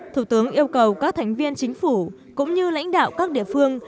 thủ tướng yêu cầu các thành viên chính phủ cũng như lãnh đạo các địa phương